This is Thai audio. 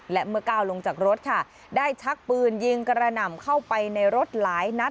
และเมื่อก้าวลงจากรถค่ะได้ชักปืนยิงกระหน่ำเข้าไปในรถหลายนัด